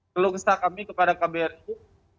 keluksan kami kepada kbri